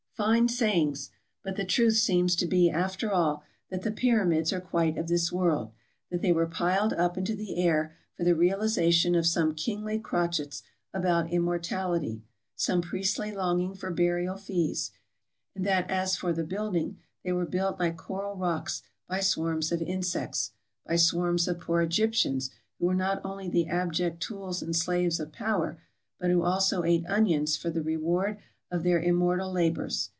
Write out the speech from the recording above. Fine sayings ! But the truth seems to be, after all, that the Pyramids are quite of this world; that they were piled up into the air for the realization of some kingly crotchets about immortality — some priestly longing for burial fees; and that as for the building — they were built like coral rocks by swarms of insects — by swarms of poor Egyptians, who were not only the abject tools and slaves of power, but who also ate onions for the reward of their immortal labors.